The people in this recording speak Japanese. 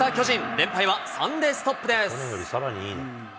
連敗は３でストップです。